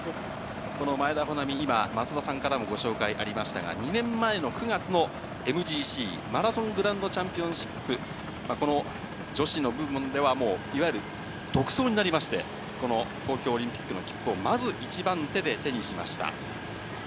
この前田穂南、今、増田さんからもご紹介ありましたが、２年前の９月のＭＧＣ・マラソングランドチャンピオンシップ、この女子の部門ではもう、いわゆる独走になりまして、この東京オリンピックの切符をまず１番手で手にしました。